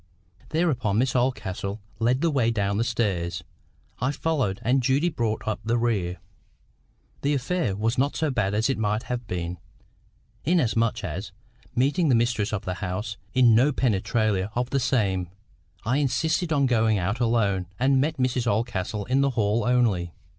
Thereupon, Miss Oldcastle led the way down the stairs, I followed, and Judy brought up the rear. The affair was not so bad as it might have been, inasmuch as, meeting the mistress of the house in no penetralia of the same, I insisted on going out alone, and met Mrs Oldcastle in the hall only.